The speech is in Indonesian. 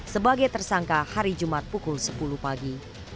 sebagai tersangka hari jumat pukul sepuluh pagi